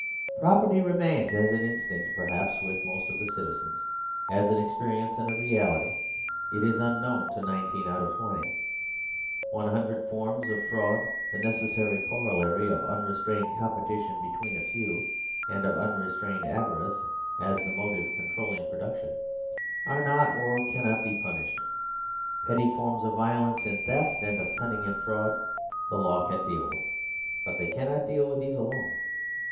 Property remains as an instinct perhaps with most of the citizens ; as an experience and a reality it is unknown to nineteen out of twenty. One hundred forms of fraud, the necessary corollary of unrestrained competition between a few and of unrestrained ava rice as the motive controlling production, are not or cannot be punished : petty forms of violence in theft and of cunning in fraud the laws can deal with, but 84 STATE GROWS UNSTABLE they cannot deal with these alone.